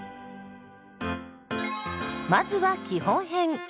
まずは基本編。